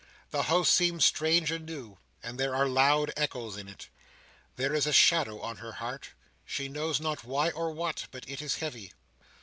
The house seems strange and new, and there are loud echoes in it. There is a shadow on her heart: she knows not why or what: but it is heavy.